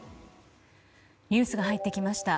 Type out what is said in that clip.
ニュースが入ってきました。